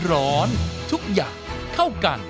ทุกอย่างเข้ากัน